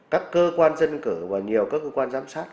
các cơ quan dân cử và nhiều các cơ quan giám sát